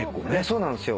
そうなんすよ。